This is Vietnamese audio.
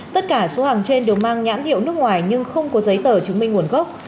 tất cả số hàng trên đều mang nhãn hiệu nước ngoài nhưng không có giấy tờ chứng minh nguồn gốc